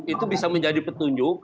itu bisa menjadi petunjuk